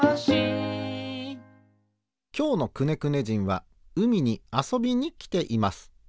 きょうのくねくね人はうみにあそびにきています。